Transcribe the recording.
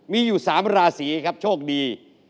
มีอยู่๓ราศีครับโชคดี